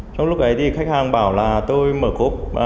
trong lúc ấy thì khách hàng bảo là tôi mở cốp